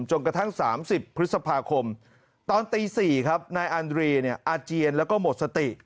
กระทั่ง๓๐พฤษภาคมตอนตี๔ครับนายอันดรีอาเจียนแล้วก็หมดสติ